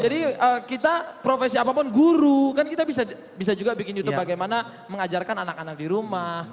jadi kita profesi apapun guru kan kita bisa juga bikin youtube bagaimana mengajarkan anak anak di rumah